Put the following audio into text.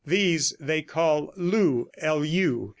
These they call lu.